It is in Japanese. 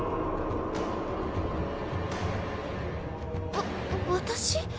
わ私？